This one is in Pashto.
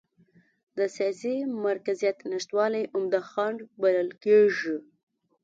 د سیاسي مرکزیت نشتوالی عمده خنډ بلل کېږي.